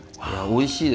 おいしい。